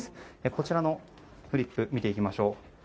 こちらのフリップ見ていきましょう。